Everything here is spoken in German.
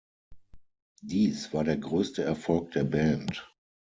Dies war der größte Erfolg der Band.